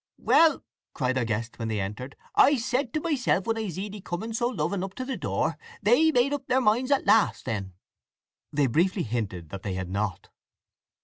"Well," cried their guest when they entered, "I said to myself when I zeed ye coming so loving up to the door, 'They made up their minds at last, then!'" They briefly hinted that they had not.